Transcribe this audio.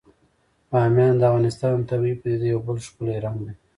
بامیان د افغانستان د طبیعي پدیدو یو بل ښکلی رنګ دی.